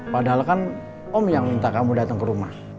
padahal kan om yang minta kamu datang ke rumah